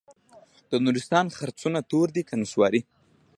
د نورستان خرسونه تور دي که نسواري؟